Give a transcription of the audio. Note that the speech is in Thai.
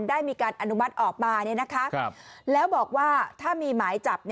ได้มีการอนุมัติออกมาแล้วบอกว่าถ้ามีหมายจับ